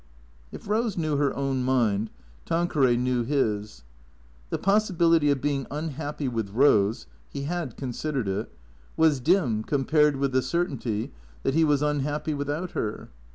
If Eose knew her own mind, Tanqueray knew his. The pos sibility of being unhappy with Eose (he had considered it) was dim compared with the certainty that he was unhappy without her.